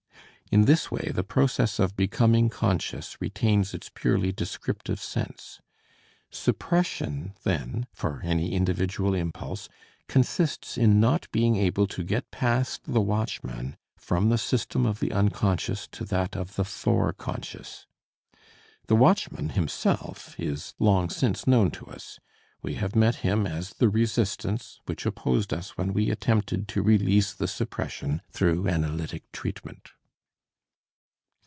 In this way the process of becoming conscious retains its purely descriptive sense. Suppression then, for any individual impulse, consists in not being able to get past the watchman from the system of the unconscious to that of the fore conscious. The watchman himself is long since known to us; we have met him as the resistance which opposed us when we attempted to release the suppression through analytic treatment.